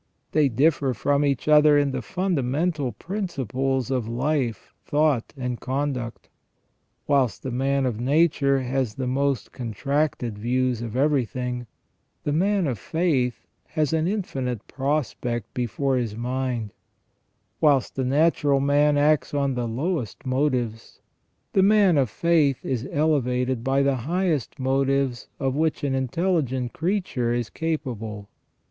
They differ from each other in the fundamental principles of life, thought, and conduct. Whilst the man of nature has the most contracted views of everything, the man of faith has an infinite prospect before his mind ; whilst the natural man acts on the lowest motives, the man of faith is elevated by the highest motives of which an intelligent creature is capable.